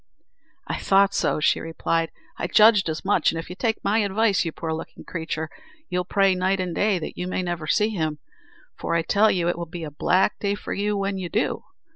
"I thought so," she replied; "I judged as much; and if you take my advice, you poor looking creature, you'll pray night and day that you may never see him, for I tell you it will be a black day for you when you do.